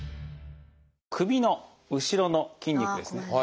首の後ろの筋肉ですね。